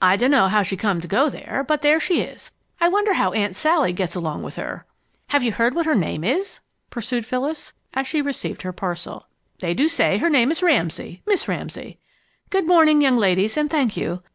I dunno how she come to go there, but there she is. I wonder how Aunt Sally gets along with her?" "Have you heard what her name is?" pursued Phyllis, as she received her parcel. "They do say her name is Ramsay Miss Ramsay. Good morning, young ladies, and thank you.